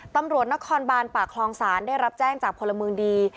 ตำรวจนครบานปากคลองศาลได้รับแจ้งจากพลเมืองดี